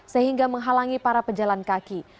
sehingga menghalangi para pejalan kaki